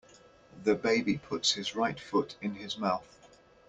The baby puts his right foot in his mouth.